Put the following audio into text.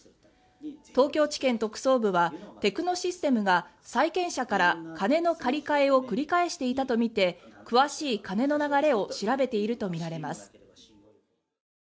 東京地検特捜部はテクノシステムが債権者から金の借り換えを繰り返していたとみて詳しい金の流れを調べているとみられます。